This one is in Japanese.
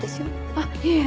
あっいえ。